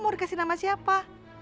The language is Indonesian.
mau dikasih nama siapa